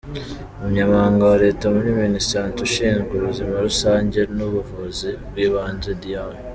Umunyamabanga wa Leta muri Minisante, ushinzwe Ubuzima Rusange n’Ubuvuzi bw’Ibanze, Dr.